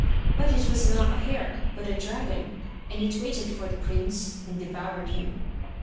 But it was not a hare, but a dragon, and it waited for the prince and devoured him.